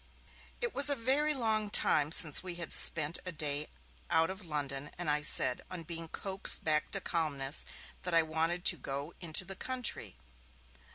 It was a very long time since we had spent a day out of London, and I said, on being coaxed back to calmness, that I wanted 'to go into the country'.